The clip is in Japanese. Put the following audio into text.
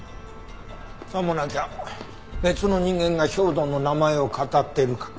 さもなきゃ別の人間が兵働の名前を騙ってるか。